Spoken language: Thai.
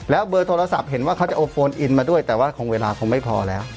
เบอร์โทรศัพท์เห็นว่าเขาจะโอโฟนอินมาด้วยแต่ว่าคงเวลาคงไม่พอแล้ว